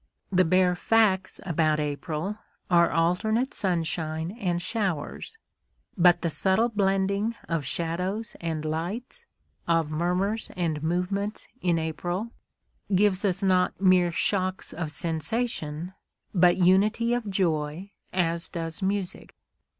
The bare facts about April are alternate sunshine and showers; but the subtle blending of shadows and lights, of murmurs and movements, in April, gives us not mere shocks of sensation, but unity of joy as does music.